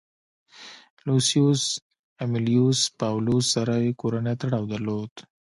لوسیوس امیلیوس پاولوس سره یې کورنی تړاو درلود